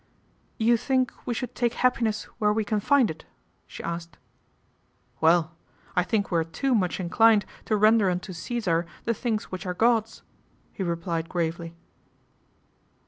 ' You think we should take happiness where we can find it ?" she asked. " Well ! I think we are too much inclined to render unto Caesar the things which are God's," he replied gravely.